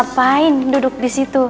ngapain duduk disitu